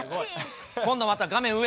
今度また画面上。